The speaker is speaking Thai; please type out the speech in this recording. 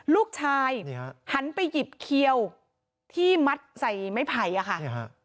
ลูกชายหันไปหยิบเขียวที่มัดใส่ไม้ไผ่อะค่ะ